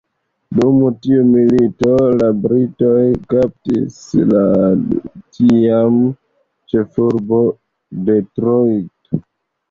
Dum tiu milito, la Britoj kaptis la tiaman ĉefurbon, Detrojto.